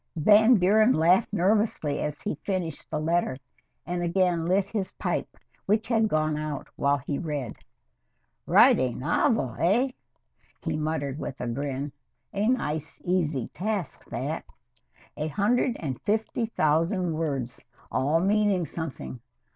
Van Buren laughed nervously, as he finished the letter, and again lit his pipe, which had gone out while he read. "Write a novel, eh?" he muttered with a grin. "A nice, easy task that. A hundred and fifty thousand words, all meaning something.